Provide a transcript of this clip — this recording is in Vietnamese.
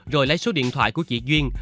rồi lấy số điện thoại của chị duyên